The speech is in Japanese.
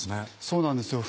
そうなんですよ。